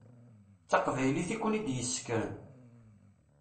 D taqbaylit i ken-id-yessekren.